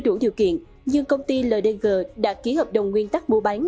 và xây dựng hoàn thiện nhưng công ty ldg đã ký hợp đồng nguyên tắc mua bán